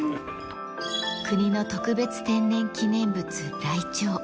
国の特別天然記念物、ライチョウ。